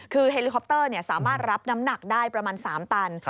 คือเฮลิคอปเตอร์สามารถรับน้ำหนักได้ประมาณ๓ตัน